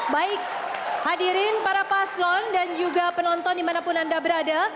baik hadirin para paslon dan juga penonton dimanapun anda berada